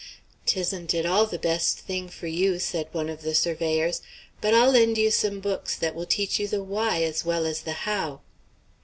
"'Tisn't at all the best thing for you," said one of the surveyors, "but I'll lend you some books that will teach you the why as well as the how."